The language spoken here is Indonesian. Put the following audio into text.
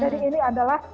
jadi ini adalah